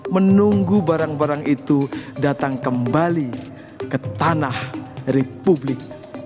menunggu barang barang itu datang kembali ke tanah republik